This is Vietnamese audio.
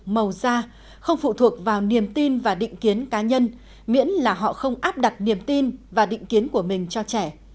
màu da không phụ thuộc vào niềm tin và định kiến cá nhân miễn là họ không áp đặt niềm tin và định kiến của mình cho trẻ